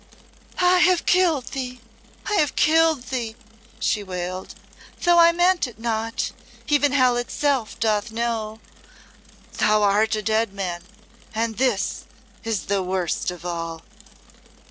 "I have killed thee I have killed thee," she wailed, "though I meant it not even hell itself doth know. Thou art a dead man and this is the worst of all!"